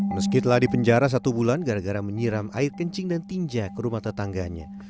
meski telah dipenjara satu bulan gara gara menyiram air kencing dan tinja ke rumah tetangganya